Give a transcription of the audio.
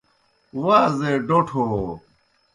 وازے ڈوٹھوْ ہو